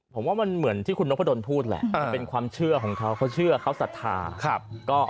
ผมว่ามันเหมือนที่คุณนพดลพูดแหละมันเป็นความเชื่อของเขาเขาเชื่อเขาศรัทธา